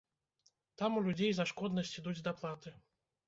Там у людзей за шкоднасць ідуць даплаты.